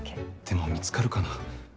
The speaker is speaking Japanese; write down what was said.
でも見つかるかな。